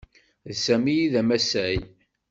D Sami ay d amasay.